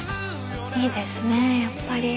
いいですねやっぱり。